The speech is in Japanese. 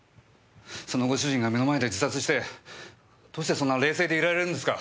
そのご主人が目の前で自殺してどうしてそんな冷静でいられるんですか？